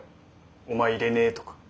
お前入れねとか。